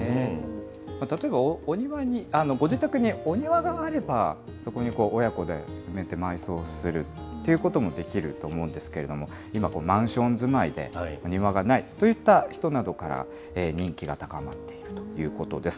例えばお庭に、ご自宅にお庭があれば、そこに親子で埋めて埋葬するっていうこともできると思うんですけれども、今、マンション住まいで、庭がないといった人などから、人気が高まっているということです。